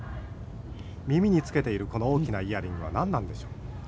耳に着けているこの大きなイヤリングは何なんでしょう。